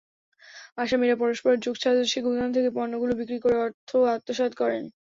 আসামিরা পরস্পর যোগসাজশে গুদাম থেকে পণ্যগুলো বিক্রি করে অর্থ আত্মসাৎ করেন।